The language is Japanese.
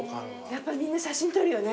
やっぱりみんな写真撮るよね。